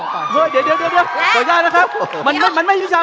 ถ้าบอกว่าคุณแหม่นสุริภาจะเสียใจ